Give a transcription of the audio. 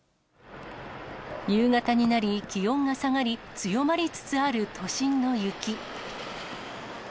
夕方になり、気温が下がり、強まりつつある都心の雪。